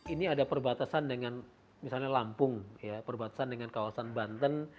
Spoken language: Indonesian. ini ada perbatasan dengan misalnya lampung ya perbatasan dengan kawasan banten